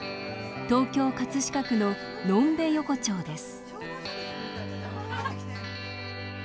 東京・葛飾区の呑んべ横丁です